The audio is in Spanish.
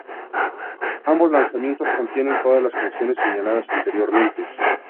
Ambos lanzamientos contienen todas las canciones señaladas anteriormente.